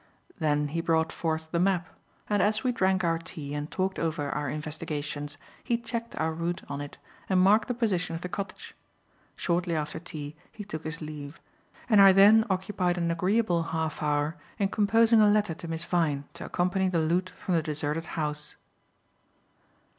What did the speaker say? Then he brought forth the map, and, as we drank our tea and talked over our investigations, he checked our route on it and marked the position of the cottage. Shortly after tea he took his leave, and I then occupied an agreeable half hour in composing a letter to Miss Vyne to accompany the loot from the deserted house.